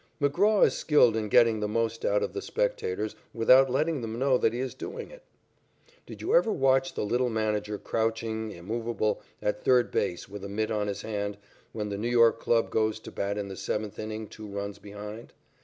McGraw is skilled in getting the most out of the spectators without letting them know that he is doing it. Did you ever watch the little manager crouching, immovable, at third base with a mitt on his hand, when the New York club goes to bat in the seventh inning two runs behind?